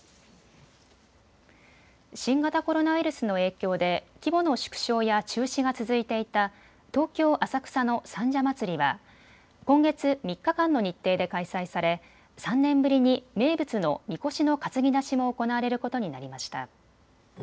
新型コロナウイルスの影響で規模の縮小や中止が続いていた東京浅草の三社祭は今月３日間の日程で開催され３年ぶりに名物のみこしの担ぎ出しも行われることになりました。